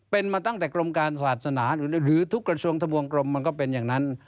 เป็นมาตั้งแต่กรมการศาสนาหรือทุกกระทรวงทะบวงกรมมันก็เป็นอย่างนั้น